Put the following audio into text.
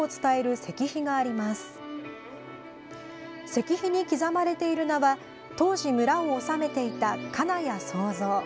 石碑に刻まれている名は当時、村を治めていた金谷総蔵。